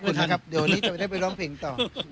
เดี๋ยวจะได้ไปร้องเพลงต่อ